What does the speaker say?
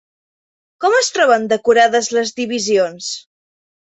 Com es troben decorades les divisions?